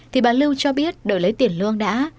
thì bà lưu cho biết để lấy tiền lương đã